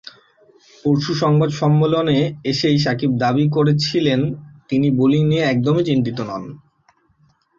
পরশু সংবাদ সম্মেলনে এসেই সাকিব দাবি করেছিলেন, নিজের বোলিং নিয়ে একদমই চিন্তিত নন।